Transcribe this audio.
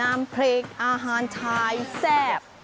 น้ำพริกอาหารไทยแซ่บ